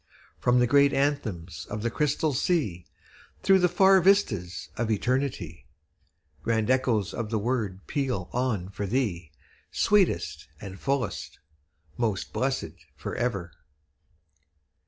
From the great anthems of the Crystal Sea, Through the far vistas of Eternity, Grand echoes of the word peal on for thee, Sweetest and fullest: 'Most blessed for ever.'